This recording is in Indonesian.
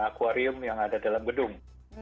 akwarium yang ada dalam gedung